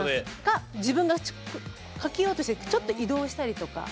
自分が掛けようとしてちょっと移動したりとか。